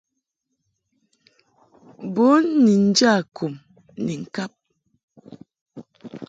Bun ni nja kum ni ŋkab.